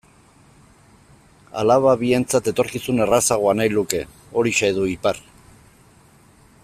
Alaba bientzat etorkizun errazagoa nahi luke, horixe du ipar.